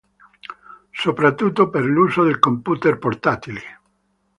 Soprattutto per l'uso nei computer portatili.